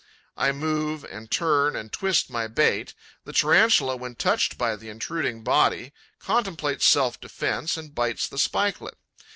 I move and turn and twist my bait. The Tarantula, when touched by the intruding body, contemplates self defence and bites the spikelet.